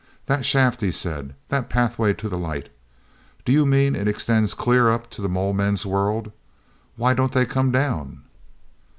"That shaft," he said, "the Pathway to the Light—do you mean it extends clear up to the mole men's world? Why don't they come down?"